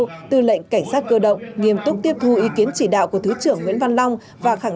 bộ tư lệnh cảnh sát cơ động nghiêm túc tiếp thu ý kiến chỉ đạo của thứ trưởng nguyễn văn long và khẳng